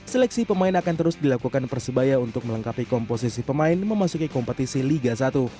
seleksi pemain akan terus dilakukan persebaya untuk melengkapi komposisi pemain memasuki kompetisi liga satu